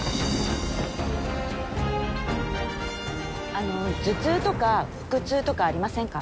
あの頭痛とか腹痛とかありませんか？